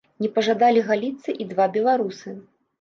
Не пажадалі галіцца і два беларусы.